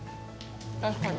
確かに。